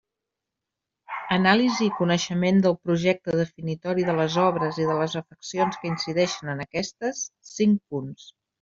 Anàlisi i coneixement del projecte definitori de les obres i de les afeccions que incideixen en aquestes: cinc punts.